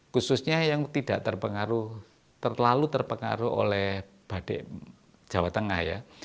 khususnya yang tidak terpengaruh terlalu terpengaruh oleh badik jawa tengah ya